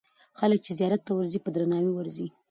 خلک چې زیارت ته ورځي، په درناوي ورځي.